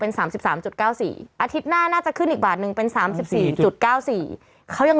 ของนักทีมือคือชอบฟรรดาที่สนกครอง